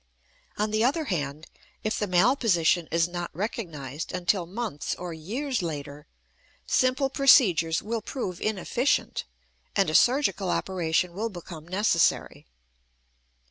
On the other hand, if the malposition is not recognized until months or years later, simple procedures will prove inefficient, and a surgical operation will become necessary.